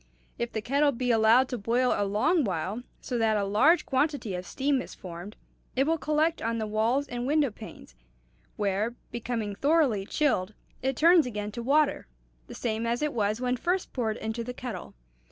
If the kettle be allowed to boil a long while, so that a large quantity of steam is formed, it will collect on the walls and window panes, where, becoming thoroughly chilled, it turns again to water, the same as it was when first poured into the kettle.